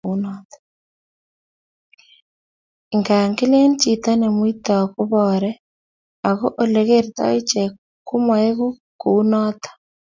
ingaa kilen chito nemuitoi koboore, ago olegertoi iche komaegu kunoto